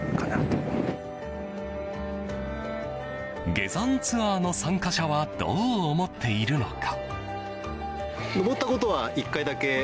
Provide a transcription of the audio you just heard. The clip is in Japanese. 下山ツアーの参加者はどう思っているのか。